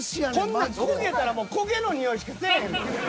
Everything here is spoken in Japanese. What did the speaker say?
こんなん焦げたら焦げのにおいしかせぇへんど。